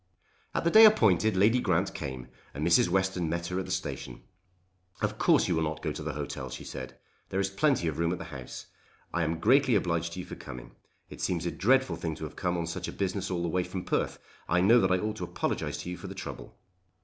At the day appointed Lady Grant came and Mrs. Western met her at the station. "Of course you will not go to the hotel," she said; "there is plenty of room at the house. I am greatly obliged to you for coming. It seems a dreadful thing to have to come on such a business all the way from Perth. I know that I ought to apologise to you for the trouble."